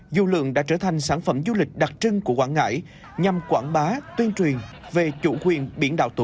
dụ lượng đã trở thành sản phẩm du lịch đặc trưng của quảng ngãi nhằm quảng bá tuyên truyền về chủ quyền biển đảosstổ quốc